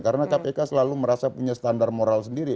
karena kpk selalu merasa punya standar moral sendiri